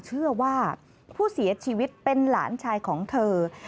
เชื่อว่าผู้เสียชีวิตเป็นหลานชายของเธอ